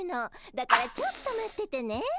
だからちょっと待っててね。